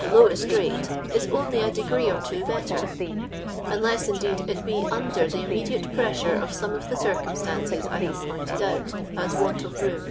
lowest rate is only a degree or two better ; nnlcss, indeed, it be under the immediate pressure of some of the circumstances I have pointed out, as want of room, &c.